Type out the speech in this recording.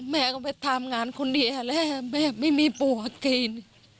แม่ก็ไปทำงานคนเดียวแล้วแม่ไม่มีปู่กิน